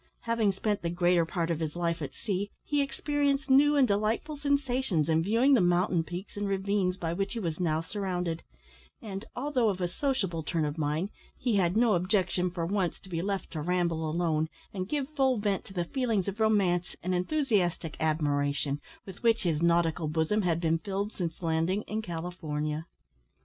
Having spent the greater part of his life at sea, he experienced new and delightful sensations in viewing the mountain peaks and ravines, by which he was now surrounded; and, although of a sociable turn of mind, he had no objection for once to be left to ramble alone, and give full vent to the feelings of romance and enthusiastic admiration, with which his nautical bosom had been filled since landing in California.